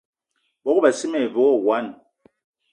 Bogb-assi me ve wo wine.